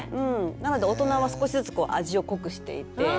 なので大人は少しずつ味を濃くしていて。